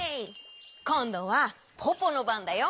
こんどはポポのばんだよ。